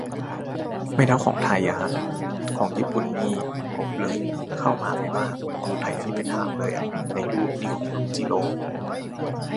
ไม่เท่าของไทยอะฮะ ของญี่ปุ่นนี่กลบเลยข้าวมาไม่มาก ของไทยนี่เป็นหางเลยอะ ในรูปนี่ของลุงจิโร่